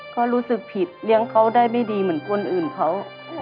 ก็รู้สึกผิดเลี้ยงเขาได้ไม่ดีเหมือนคนอื่นเขา